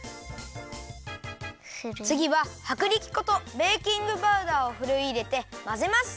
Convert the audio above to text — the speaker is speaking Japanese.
つぎははくりき粉とベーキングパウダーをふるいいれてまぜます！